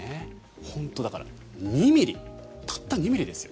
本当にだから２ｍｍたった２ｍｍですよ。